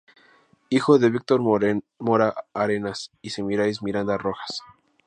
Hijo de Víctor Mora Arenas y Semíramis Miranda Rojas.